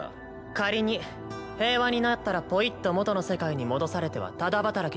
仮に平和になったらポイッと元の世界に戻されてはタダ働きですしね。